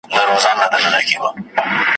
خو چي ښه نه وي درته غلیم سي `